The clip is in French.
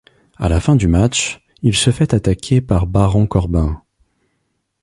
À la fin du match, il se fait attaquer par Baron Corbin.